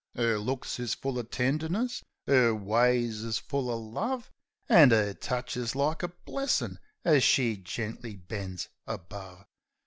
'Er looks is full uv tenderness, 'er ways is full uv love, An' 'er touch is like a blessin' as she gently bends above.